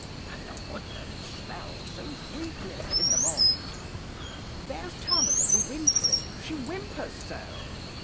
And the woodlands smell so sweetly in the morning. 'There's Termagant a whimpering; She whimpers so.